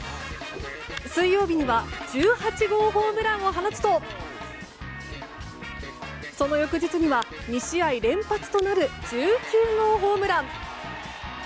水曜日には１８号ホームランを放つとその翌日には２試合連発となる１９号ホームラン。